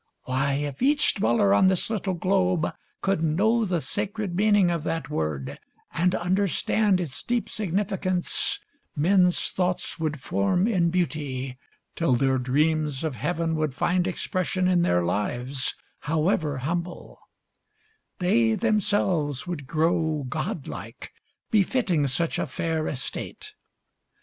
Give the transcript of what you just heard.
Why, if each dweller on this little globe Could know the sacred meaning of that word And understand its deep significance, Men's thoughts would form in beauty, till their dreams Of heaven would find expression in their lives, However humble; they themselves would grow Godlike, befitting such a fair estate.